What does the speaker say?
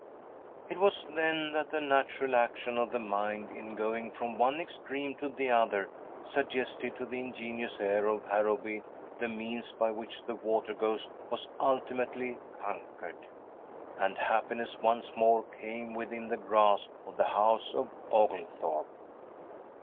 It was then that the natural action of the mind, in going from one extreme to the other, suggested to the ingenious heir of Harrowby the means by which the water ghost was ultimately conquered, and happiness once more came within the grasp of the house of Oglethorpe.